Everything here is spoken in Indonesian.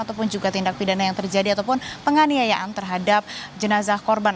ataupun juga tindak pidana yang terjadi ataupun penganiayaan terhadap jenazah korban